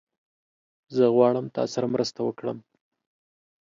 زه غواړم تاسره مرسته وکړم